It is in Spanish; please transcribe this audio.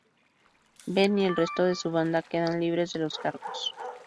Ben y el resto de su banda quedan libres de los cargos.